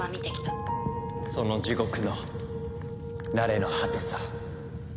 その地獄の成れの果てさ。